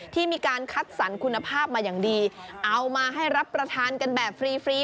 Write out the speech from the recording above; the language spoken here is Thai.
ที่มีการคัดสรรคุณภาพมาอย่างดีเอามาให้รับประทานกันแบบฟรีฟรี